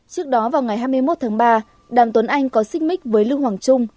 trước đó vào ngày hai mươi một tháng ba đàn tuấn anh có xích mích với lưu hoàng trung